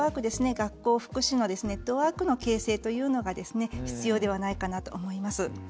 学校、福祉のネットワークの形成というのが必要ではないかなと思います。